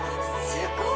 すごい！